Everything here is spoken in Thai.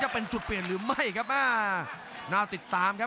โห๓๕๐เป็นคู่แรกของวันนี้เลยครับ